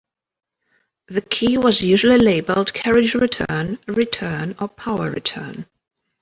The key was usually labeled "carriage return", "return", or "power return".